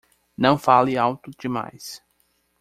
Não fale alto demais.